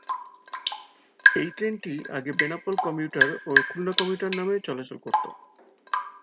এই ট্রেনটি আগে বেনাপোল কমিউটার ও খুলনা কমিউটার নামে চলাচল করতো।